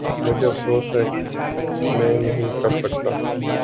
مجھے افسوس ہے میں نہیں کر سکتا۔